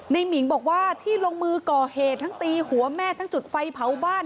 หมิงบอกว่าที่ลงมือก่อเหตุทั้งตีหัวแม่ทั้งจุดไฟเผาบ้าน